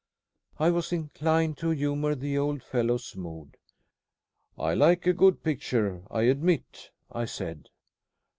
I was inclined to humor the old fellow's mood. "I like a good picture, I admit," I said.